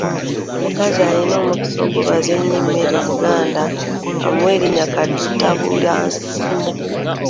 Omukazi alina omukisa gw’okubaza ennyo emmere Omuganda amuwa linnya Katabulansimo.